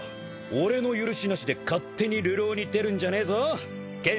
俺の許しなしで勝手に流浪に出るんじゃねえぞ剣心。